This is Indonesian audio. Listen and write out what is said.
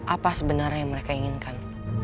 apa sebenarnya yang mereka inginkan